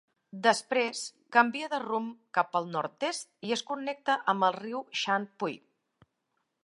Després, canvia de rumb cap al nord-est i es connecta amb el riu Shan Pui.